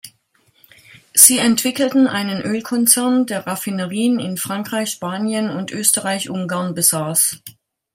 Sie entwickelten einen Ölkonzern, der Raffinerien in Frankreich, Spanien und Österreich-Ungarn besaß.